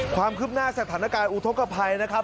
ความคืบหน้าสถานการณ์อุทธกภัยนะครับ